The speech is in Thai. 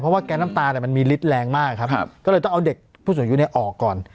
เพราะว่าแก๊สน้ำตาเนี่ยมันมีฤทธิ์แรงมากครับก็เลยต้องเอาเด็กผู้สูงอายุเนี่ยออกก่อน